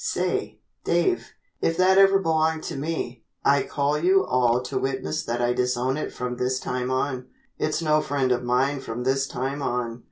Say, Dave, if that ever belonged to me, I call you all to witness that I disown it from this time on. It's no friend of mine from this time on."